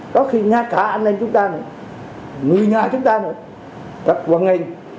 có khi ngã cả anh em chúng ta người nhà chúng ta các quân anh